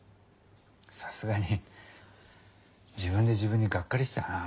さすがに自分で自分にがっかりしたな。